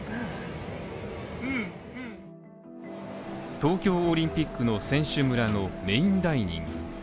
東京オリンピックの選手村のメインダイニング。